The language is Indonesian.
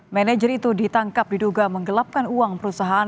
manajer itu ditangkap diduga menggelapkan uang perusahaan